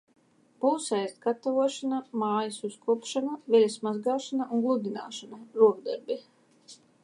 Būs ēst gatavošana, mājas uzkopšana, veļas mazgāšana un gludināšana, rokdarbi.